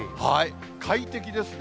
快適ですね。